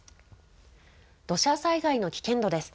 土砂災害の危険度です。